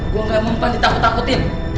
gua gak mau mumpan di takut takutin